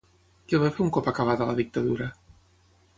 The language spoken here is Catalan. Què va fer un cop acabada la dictadura?